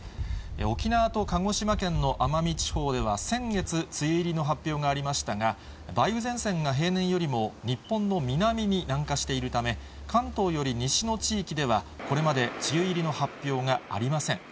沖縄と鹿児島県の奄美地方では、先月、梅雨入りの発表がありましたが、梅雨前線が平年よりも日本の南に南下しているため、関東より西の地域では、これまで梅雨入りの発表がありません。